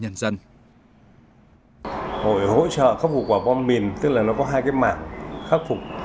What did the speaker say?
hội hỗ trợ khắc phục hậu quả bom mìn tức là nó có hai cái mảng khắc phục